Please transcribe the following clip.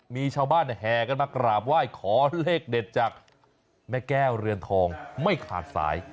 มีชาวบ้านแห่กันมากราบไหว้ขอเลขเด็ดจากแม่แก้วเรือนทองไม่ขาดสาย